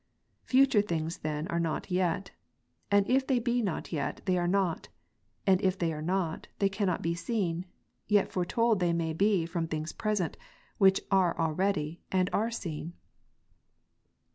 Future things then are not yet : and if they be not yet, they are not : and if they are not, they cannot be seen ; yet foretold they may be from things present, which are already, and are seen.